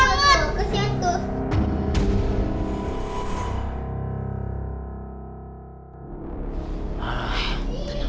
lebih cepat lebih baik